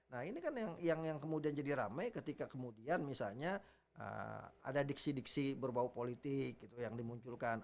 nah ini kan yang kemudian jadi rame ketika kemudian misalnya ada diksi diksi berbau politik yang dimunculkan